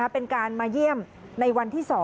เป็นการมาเยี่ยมในวันที่๒